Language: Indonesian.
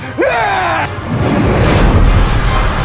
aku adalah intention